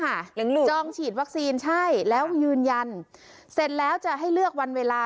เหลืองจองฉีดวัคซีนใช่แล้วยืนยันเสร็จแล้วจะให้เลือกวันเวลา